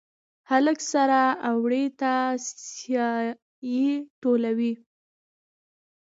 هلک سره اوړي ته سایې ټولوي